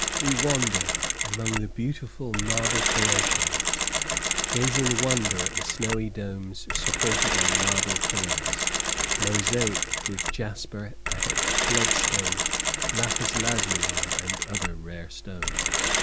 We wander among the beautiful marble creations, gaze in wonder at the snowy domes supported on marble pillars, mosaiced with jasper, agate, blood stone, lapis lazuli, and other rare stones.